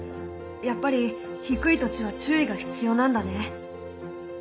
やっぱり低い土地は注意が必要なんだね。